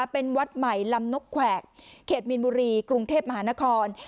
เป็นวัดใหม่ลำนกแขวกเขตมีนบุรีกรุงเทพมหานคร